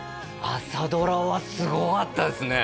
朝ドラはすごかったですね